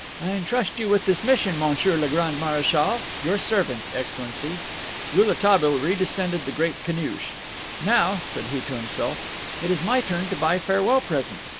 I entrust you with this mission, Monsieur le Grand Marechal. Your servant, Excellency." Rouletabille re descended the great Kaniouche. "Now," said he to himself, "it is my turn to buy farewell presents."